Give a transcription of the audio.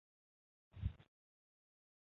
法国的主要工业为电信。